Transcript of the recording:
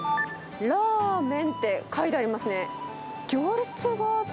ラーメンって書いてありますね。